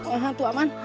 oh hantu aman